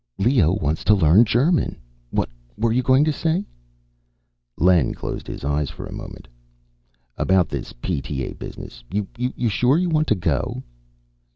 "Leo wants to learn German. What were you going to say?" Len closed his eyes for a moment. "About this PTA business you sure you want to go?"